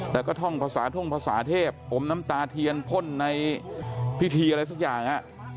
แต่ก็ท่องภาษาท่องภาษาเทพอมน้ำตาเทียนพ่นในพิธีอะไรสักอย่างฮะ